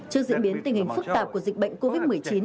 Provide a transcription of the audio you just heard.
trước diễn biến tình hình phức tạp của dịch bệnh covid một mươi chín